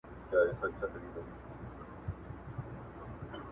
زما اصلآ پدې سر نه خلاصیږي